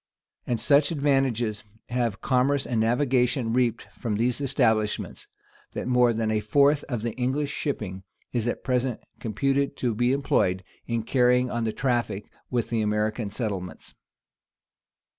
And such advantages have commerce and navigation reaped from these establishments, that more than a fourth of the English shipping is at present computed to be employed in carrying on the traffic with the American settlements.